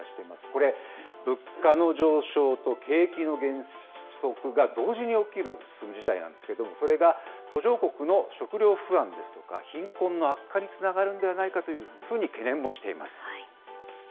これ、物価の上昇と景気の減速が同時に起きる事態なんですけれども、それが途上国の食糧不安ですとか、貧困の悪化につながるんではないかというふうに懸念もしています。